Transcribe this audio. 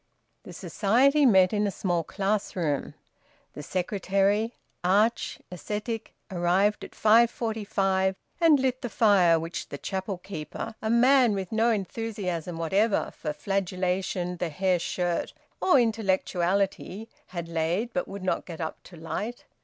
The Society met in a small classroom. The secretary, arch ascetic, arrived at 5:45 and lit the fire which the chapel keeper (a man with no enthusiasm whatever for flagellation, the hairshirt, or intellectuality) had laid but would not get up to light.